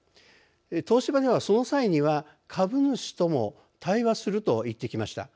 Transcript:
東芝では「その際には株主とも対話する」と言ってきました。